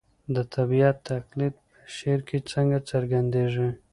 د طبیعت تقلید په شعر کې څنګه څرګندېږي؟